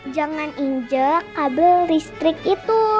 jangan injek kabel listrik itu